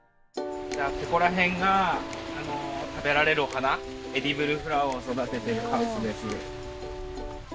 ここらへんが食べられるお花エディブルフラワーを育てているハウスです。